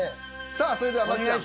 さあそれでは麻貴ちゃん。